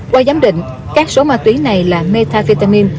qua giám định các số ma túy này là metafetamin